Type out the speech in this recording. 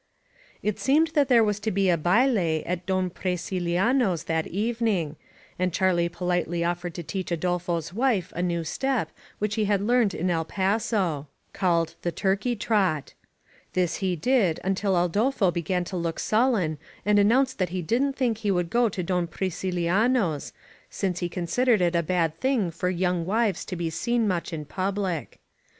It seemed that there was to be a haile at Don Pri ciliano's that evening, and CharUe politely offered to teach Adolfo's wife a new step which he had learned in El Paso, called the Turkey Trot. This he did until Adolfo began to look sullen and announced that he didn't think he would go to Don Priciliano's, since he considered it a bad thing for young wives to be seen much in public.